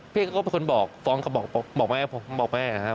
พี่เอ๊ะก็เป็นคนบอกฟ้องก็บอกแม่บอกแม่นะครับ